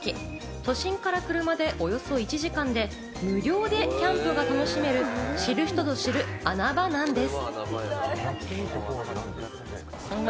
都心から車でおよそ１時間で無料でキャンプが楽しめる、知る人ぞ知る穴場なんです。